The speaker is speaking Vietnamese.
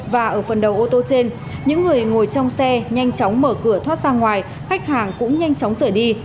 và ở phần đầu ô tô trên những người ngồi trong xe nhanh chóng mở cửa thoát ra ngoài khách hàng cũng nhanh chóng sửa đi